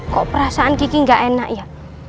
kok perasaan kiki gak enak ya